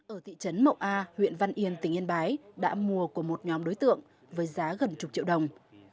ở thị trấn mậu a huyện văn yên tỉnh yên bái đã mua của một nhóm đối tượng với giá gần chục triệu đồng